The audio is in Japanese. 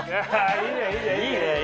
いいねいいね！